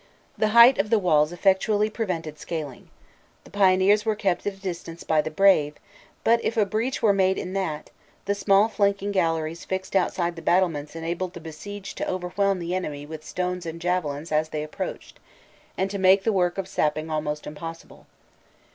The height of the walls effectually prevented scaling. The pioneers were kept at a distance by the brave, but if a breach were made in that, the small flanking galleries fixed outside the battlements enabled the besieged to overwhelm the enemy with stones and javelins as they approached, and to make the work of sapping almost impossible.